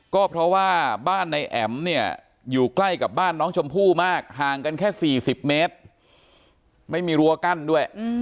ก็เพราะว่าบ้านในแอ๋มเนี่ยอยู่ใกล้กับบ้านน้องชมพู่มากห่างกันแค่๔๐เมตรไม่มีรั้วกั้นด้วย